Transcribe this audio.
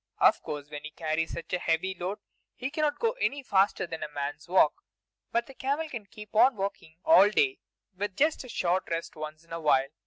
Of course when he carries such a heavy load, he cannot go any faster than a man's walk; but the camel can keep on walking all day, with just a short rest once in a while.